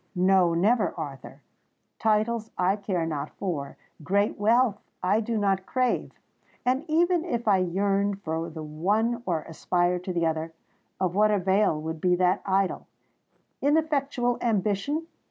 No—never, Arthur! Titles I care not for—great wealth I do not crave;—and even if I yearned for the one or aspired to the other, of what avail would be that idle—ineffectual ambition?